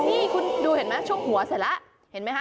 นี่คุณดูเห็นไหมช่วงหัวเสร็จแล้วเห็นไหมคะ